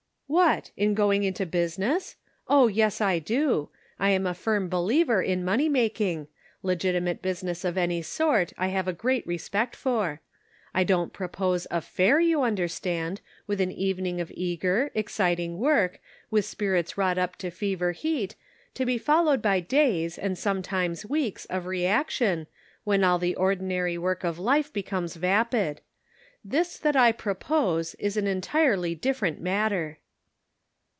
" What ? In going into business ? Oh, yes I do. I am a firm believer in money make ing — legitimate business of any sort I have a great respect for. I don't propose a fair, you understand, with an evening of eager, exciting work, with spirits wrought up to fever heat, to be followed by days, and sometimes weeks, of reaction, when all the ordinary work of life becomes vapid. This that I propose is an en tirely different matter."